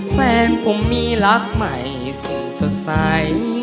แฟนผมมีรักใหม่สิ่งสดใส